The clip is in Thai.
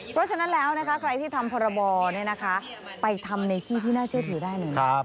เพราะฉะนั้นแล้วนะคะใครที่ทำพรบไปทำในที่ที่น่าเชื่อถือได้หนึ่ง